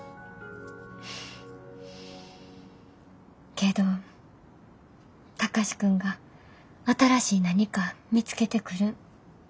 けど貴司君が新しい何か見つけてくるん楽しみや。